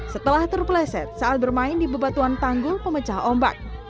setelah terpleset saat bermain di bebatuan tanggul pemecah ombak